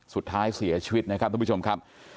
สุดท้ายเสียชีวิตนะครับทุกผู้ชมครับ